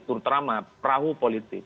turut ramah perahu politik